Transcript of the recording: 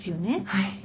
はい。